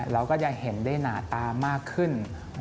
เราก็จะเห็นได้หนาตามากขึ้น